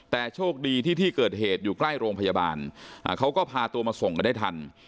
แต่โชคดีที่ที่เกิดเหตุอยู่ใกล้โรงพยาบาลเขาก็พาตัวมาส่งกันได้ทัน